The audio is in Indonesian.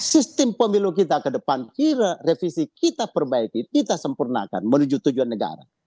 sistem pemilu kita ke depan kira revisi kita perbaiki kita sempurnakan menuju tujuan negara